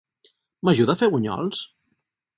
M'ajuda a fer bunyols?